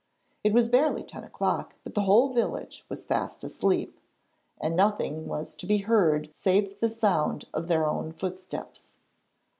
It was barely ten o'clock, but the whole village was fast asleep, and nothing was to be heard save the sound of their own footsteps.